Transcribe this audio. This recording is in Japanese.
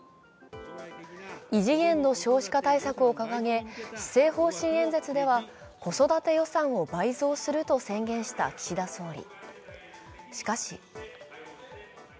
異次元の少子化対策を掲げ施政方針演説では子育て予算を倍増すると宣言した岸田総理。